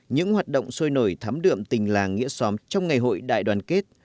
những hoạt động sôi nổi thắm đượm tình làng nghĩa xóm trong ngày hội đại đoàn kết